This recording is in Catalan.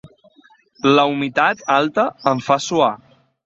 La humitat alta em fa suar.